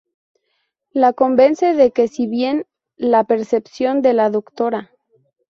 La convence de que, si bien la percepción de la Dra.